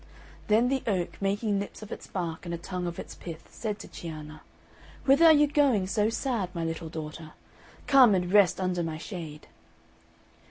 Then the oak, making lips of its bark and a tongue of its pith, said to Cianna, "Whither are you going so sad, my little daughter? Come and rest under my shade."